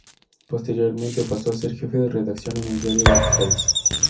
Posteriormente pasó a ser Jefe de Redacción en el Diario El País.